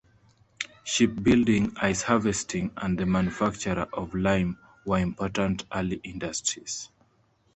Shipbuilding, ice harvesting and the manufacture of lime were important early industries.